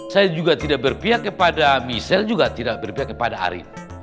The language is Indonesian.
saya juga tidak berpihak kepada michelle juga tidak berpihak kepada arief